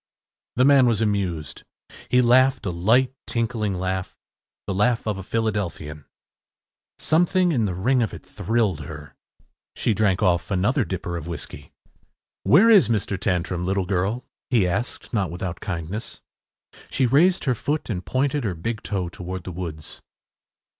The man was amused. He laughed a light tinkling laugh, the laugh of a Philadelphian. Something in the ring of it thrilled her. She drank off another dipper of whiskey. “Where is Mr. Tantrum, little girl?” he asked, not without kindness. She raised her foot and pointed her big toe toward the woods.